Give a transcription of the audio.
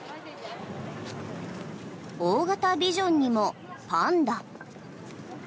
大型ビジョンにもパンダ。